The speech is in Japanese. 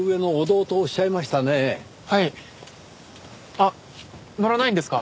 あっ乗らないんですか？